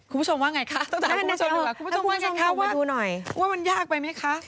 คุณผู้ชมว่าอย่างไรคะต้องถามคุณผู้ชมดูก่อนคุณผู้ชมว่าอย่างไรคะว่ามันยากไปไหมคะ